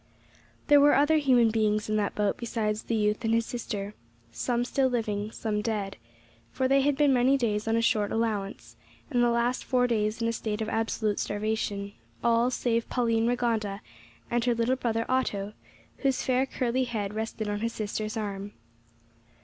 There were other human beings in that boat besides the youth and his sister some still living, some dead, for they had been many days on short allowance, and the last four days in a state of absolute starvation all, save Pauline Rigonda and her little brother Otto, whose fair curly head rested on his sister's arm.